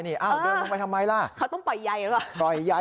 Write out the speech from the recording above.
ด้วยต้องไปทำไมล่ะ